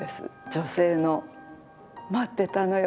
女性の「待ってたのよ